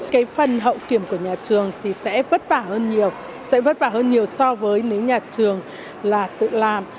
cái phần hậu kiểm của nhà trường thì sẽ vất vả hơn nhiều sẽ vất vả hơn nhiều so với nếu nhà trường là tự làm